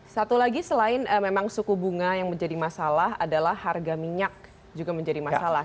satu lagi selain memang suku bunga yang menjadi masalah adalah harga minyak juga menjadi masalah